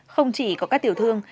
không chỉ có các tiểu thương